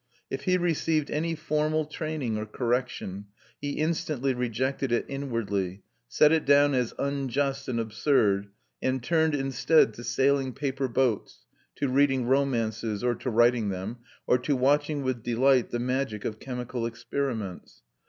If he received any formal training or correction, he instantly rejected it inwardly, set it down as unjust and absurd, and turned instead to sailing paper boats, to reading romances or to writing them, or to watching with delight the magic of chemical experiments.